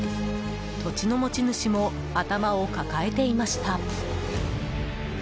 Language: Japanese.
土地の持ち主も頭を抱えていました。